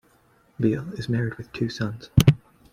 Beal is married with two sons.